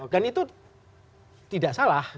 dan itu tidak salah